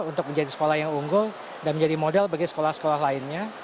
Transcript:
untuk menjadi sekolah yang unggul dan menjadi modal bagi sekolah sekolah lainnya